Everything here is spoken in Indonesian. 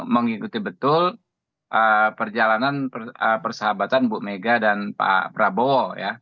mengikuti betul perjalanan persahabatan bu mega dan pak prabowo